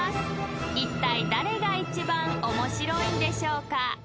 ［いったい誰が一番面白いんでしょうか？］